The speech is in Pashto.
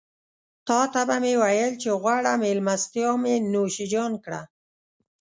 تاته به مې وويل چې غوړه مېلمستيا مې نوشيجان کړه.